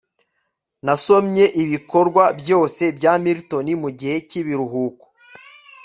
nasomye ibikorwa byose bya milton mugihe cyibiruhuko